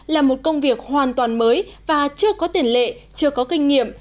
là một công việc hoàn toàn mới và chưa có tiền lệ chưa có kinh nghiệm